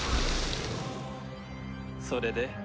それで？